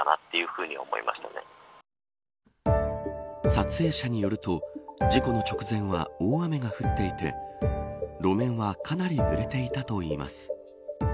撮影者によると事故の直前は、大雨が降っていて路面はかなりぬれていたといいます。